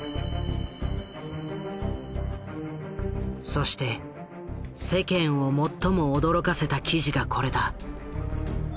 そして世間を最も驚かせた記事がこれだ。